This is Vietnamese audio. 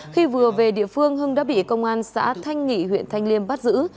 khi vừa về địa phương hưng đã bị công an xã thanh nghị huyện thanh liêm bắt giữ